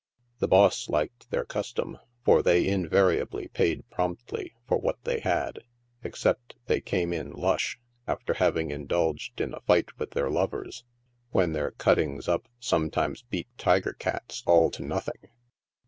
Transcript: The boss liked their custom, for they in variably paid promptly for what they had, except they came in " lush," after having indulged in a fight with their lovers, when their cuttings up sometimes beat tiger cats all to nothing.